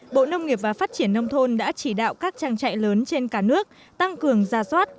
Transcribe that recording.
bộ nông nghiệp và phát triển nông thôn đã chỉ đạo các trang trại lớn trên cả nước tăng cường gia soát